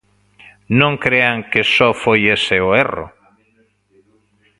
Non crean que só foi ese o erro.